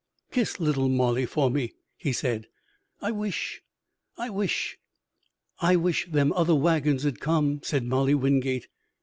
"Kiss Little Molly for me," he said. "I wish I wish " "I wish them other wagons'd come," said Molly Wingate.